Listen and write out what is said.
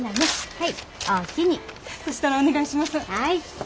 はい。